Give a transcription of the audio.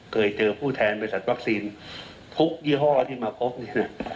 เคยเจอผู้แทนบริษัทวัคซีนทุกยี่ห้อที่มาพบเนี่ย